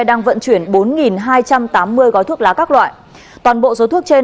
đang vận chuyển bốn hai trăm tám mươi gói thuốc lá các loại toàn bộ số thuốc trên